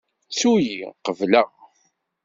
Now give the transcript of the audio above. Ttu-yi qebleɣ.